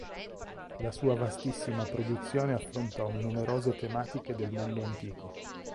La sua vastissima produzione affrontò numerose tematiche del mondo antico.